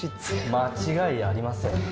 間違いありません。